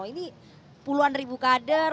ini puluhan ribu kader